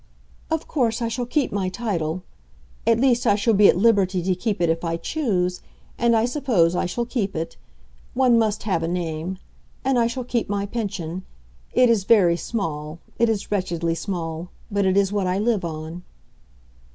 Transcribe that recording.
"Of course I shall keep my title; at least, I shall be at liberty to keep it if I choose. And I suppose I shall keep it. One must have a name. And I shall keep my pension. It is very small—it is wretchedly small; but it is what I live on."